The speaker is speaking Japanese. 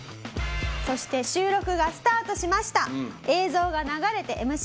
そして収録がスタートしました。